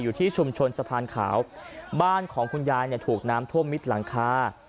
อยู่ที่ชุมชนสะพานขาวบ้านของคุณยายเนี่ยถูกน้ำท่วมมิดหลังคา